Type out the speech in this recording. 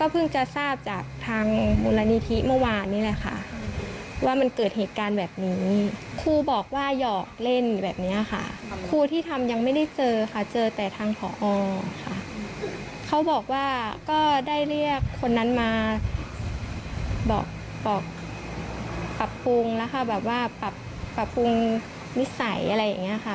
ปรับภูมิแล้วค่ะแบบว่าปรับภูมิวิสัยอะไรอย่างนี้ค่ะ